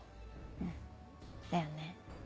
うんだよね。